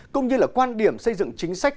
cũng như là quan điểm xây dựng chính sách